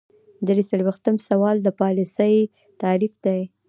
درې څلویښتم سوال د پالیسۍ تعریف دی.